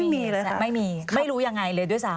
ไม่รู้ยังไงเลยด้วยซ้ำ